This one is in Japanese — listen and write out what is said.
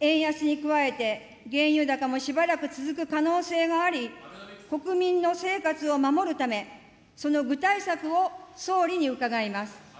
円安に加えて原油高もしばらく続く可能性があり、国民の生活を守るため、その具体策を総理に伺います。